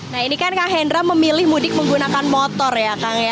nah ini kan kang hendra memilih mudik menggunakan motor ya kang ya